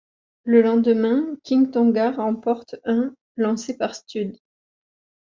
Le lendemain, King Tonga remporte un ' lancé par Studd.